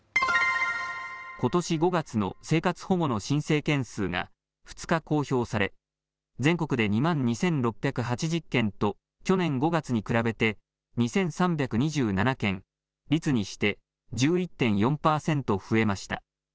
ことし５月の生活保護の申請件数が２日公表され、全国で２万２６８０件と去年５月に比べて２３２７件、率にして１１．４％増えました。